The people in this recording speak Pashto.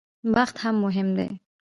بخت هم مهم دی.